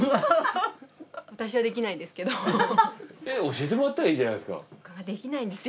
教えてもらったらいいじゃないですか。